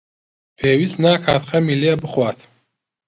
پێویست ناکات خەمی لێ بخوات.